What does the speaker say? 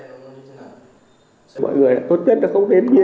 mọi người là tốt nhất là không đến bia rượu